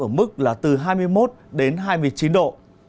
ở mức là từ hai mươi một đến hai mươi chín độ